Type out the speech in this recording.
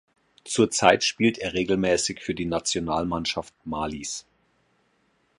Zurzeit spielt er regelmäßig für die Nationalmannschaft Malis.